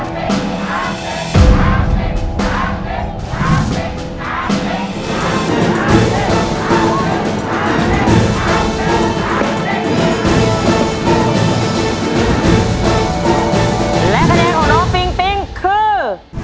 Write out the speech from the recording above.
และคะแนนของน้องปิงปิ๊งคือ